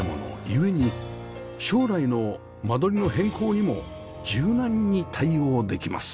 故に将来の間取りの変更にも柔軟に対応できます